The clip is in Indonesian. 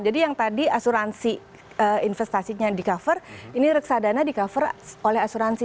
jadi yang tadi asuransi investasinya di cover ini reksadana di cover oleh asuransi